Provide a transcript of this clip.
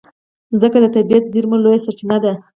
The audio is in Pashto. مځکه د طبعي زېرمو لویه سرچینه ده.